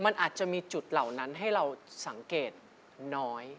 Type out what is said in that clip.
มันอาจจะมีจุดเหล่านั้นให้เราสังเกตน้อย